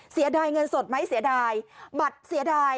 เสียดายเงินสดไหมเสียดายบัตรเสียดาย